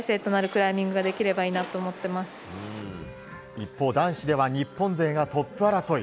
一方、男子では日本勢がトップ争い。